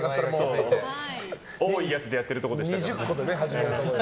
多いやつでやってるところでしたから。